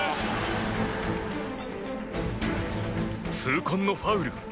痛恨のファウル。